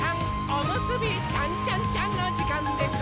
おむすびちゃんちゃんちゃんのじかんです！